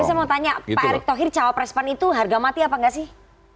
saya mau tanya pak erick thohir cawapres pan itu harga mati apa nggak sih